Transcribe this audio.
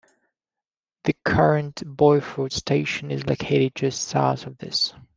The current Byford station is located just south of this.